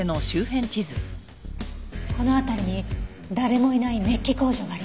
この辺りに誰もいないメッキ工場がありました。